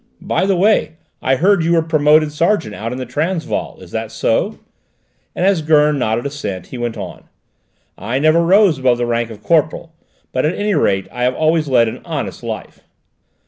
"By the way, I heard you were promoted sergeant out in the Transvaal: is that so?" and as Gurn nodded assent, he went on: "I never rose above the rank of corporal, but at any rate I have always led an honest life."